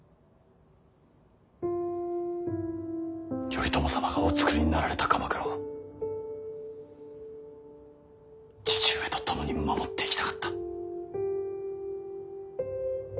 頼朝様がおつくりになられた鎌倉を父上と共に守っていきたかった。